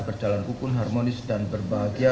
berjalan hukum harmonis dan berbahagia